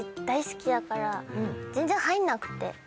全然入んなくて。